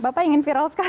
bapak ingin viral sekali ya